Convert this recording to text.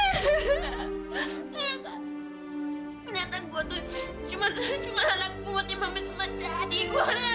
ternyata gue tuh cuma alat buatnya mampus menjadi gue ra